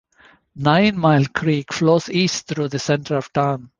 Nine Mile Creek flows east through the center of town.